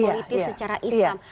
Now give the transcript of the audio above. politik secara islam